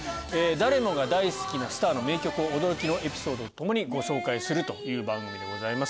誰もが大好きなスターの名曲を驚きのエピソードとともにご紹介するという番組でございます。